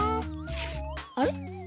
あれ？